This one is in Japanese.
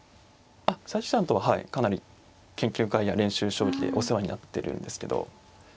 あっ佐々木さんとははいかなり研究会や練習将棋でお世話になってるんですけど。